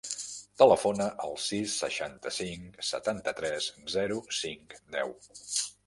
Telefona al sis, seixanta-cinc, setanta-tres, zero, cinc, deu.